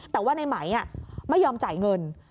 แต่ว่าในไหมไม่ยอมจ่ายเงิน